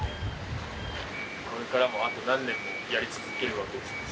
これからもあと何年もやり続けるわけですよね？